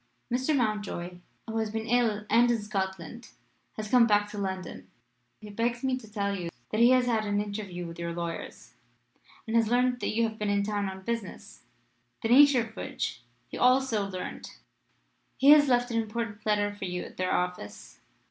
"Mr. Mountjoy, who has been ill and in Scotland, has come back to London. He begs me to tell you that he has had an interview with your lawyers, and has learned that you have been in town on business, the nature of which he has also learned. He has left an important letter for you at their office.